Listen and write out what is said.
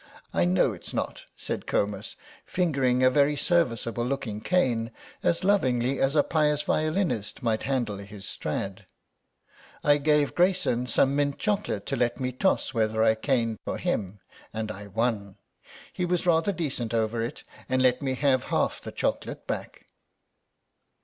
"I know it's not," said Comus, fingering a very serviceable looking cane as lovingly as a pious violinist might handle his Strad. "I gave Greyson some mint chocolate to let me toss whether I caned or him, and I won. He was rather decent over it and let me have half the chocolate back."